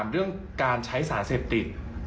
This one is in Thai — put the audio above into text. เรื่องการใช้สารเสพติด